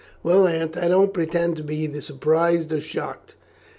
"Well, Aunt, I don't pretend to be either surprised or shocked.